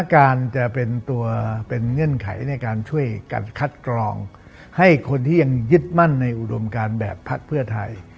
การคัดกรองให้คนที่ยังยึดมั่นในอุดมการแบบพักเพื่อไทย